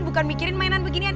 bukan mikirin mainin beginian